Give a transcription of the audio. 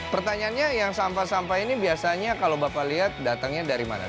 pertanyaannya yang sampah sampah ini biasanya kalau bapak lihat datangnya dari mana